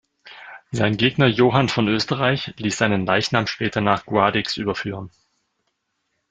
Sein Gegner Johann von Österreich ließ seinen Leichnam später nach Guadix überführen.